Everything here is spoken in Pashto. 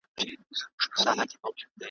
محفل دي خوږدی می که تر خه دي `